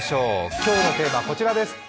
今日のテーマ、こちらです。